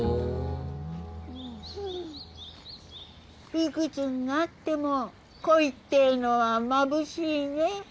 幾つになっても恋ってのはまぶしいね。